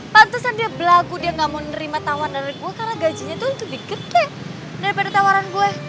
pantesan dia belagu dia gak mau nerima tawaran dari gue karena gajinya itu lebih gede daripada tawaran gue